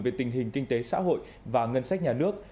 về tình hình kinh tế xã hội và ngân sách nhà nước